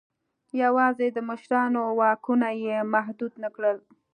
یوازې د مشرانو واکونه یې محدود نه کړل.